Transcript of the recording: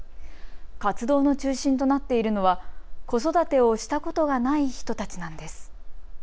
活動の中心となっているのは子育てをしたことがない人たちなんです。